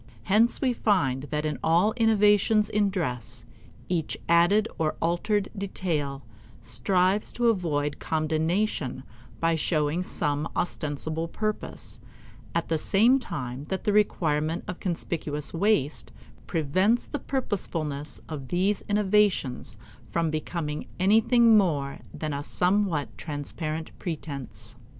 Hence we find that in all innovations in dress, each added or altered detail strives to avoid condemnation by showing some ostensible purpose, at the same time that the requirement of conspicuous waste prevents the purposefulness of these innovations from becoming anything more than a somewhat transparent pretense.